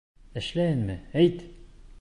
Эшләйһеңме, әйт!